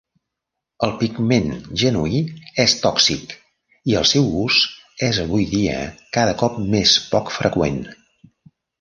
El pigment genuí és tòxic i el seu ús és avui dia cada cop més poc freqüent.